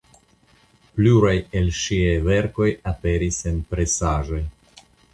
Pluraj el ŝiaj verkoj aperis en presaĵoj.